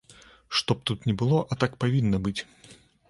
Што б тут ні было, а так павінна быць!